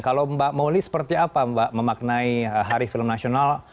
kalau mbak moli seperti apa mbak memaknai hari film nasional